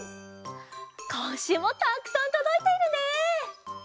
こんしゅうもたっくさんとどいているね。